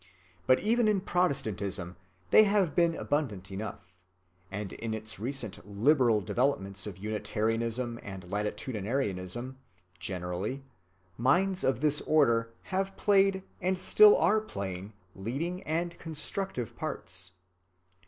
But even in Protestantism they have been abundant enough; and in its recent "liberal" developments of Unitarianism and latitudinarianism generally, minds of this order have played and still are playing leading and constructive parts.